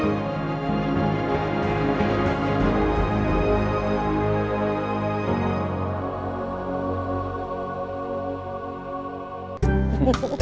ia sudah pak